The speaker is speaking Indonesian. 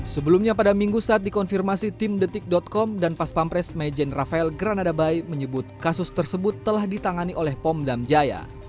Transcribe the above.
sebelumnya pada minggu saat dikonfirmasi tim detik com dan pas pampres majen rafael granadabai menyebut kasus tersebut telah ditangani oleh pom damjaya